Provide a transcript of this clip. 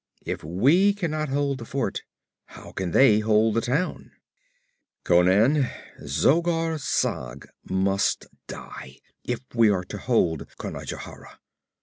If we can not hold the fort, how can they hold the town? 'Conan, Zogar Sag must die, if we are to hold Conajohara.